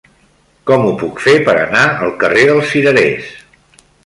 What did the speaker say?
Com ho puc fer per anar al carrer dels Cirerers?